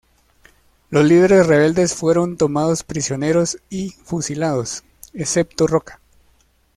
Los líderes rebeldes fueron tomados prisioneros y fusilados, excepto Roca.